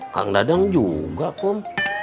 kang dadang juga kum